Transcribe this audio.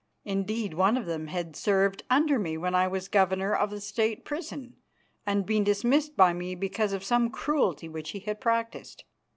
Indeed, one of them had served under me when I was governor of the State prison, and been dismissed by me because of some cruelty which he had practised.